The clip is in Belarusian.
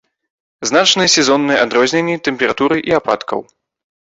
Значныя сезонныя адрозненні тэмпературы і ападкаў.